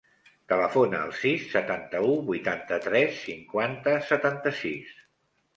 Telefona al sis, setanta-u, vuitanta-tres, cinquanta, setanta-sis.